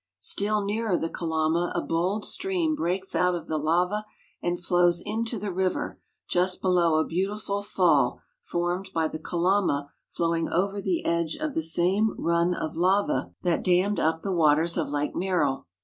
Still nearer the Kalama a l»old stream breaks out of the lava and flows into the river just below a beautiful fall formed by the Kalama flowing over the edge of the same run of I^'v > tl> >« 228 MOUNT ST. HELENS dammed up the waters of Lake Merrill.